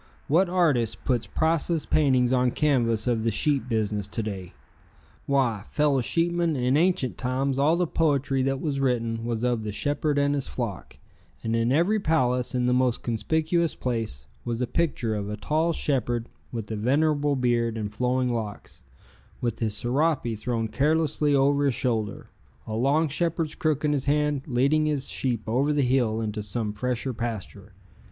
What artist puts priceless paintings on canvass of the sheep business to day? Why, fellow sheepmen, in ancient times all the poetry that was written was of the shepherd and his flock, and in every palace, in the most conspicuous place, was a picture of a tall shepherd with venerable beard and flowing locks, with his serape thrown carelessly over his shoulder, a long shepherd's crook in his hand, leading his sheep over the hill into some fresher pasture.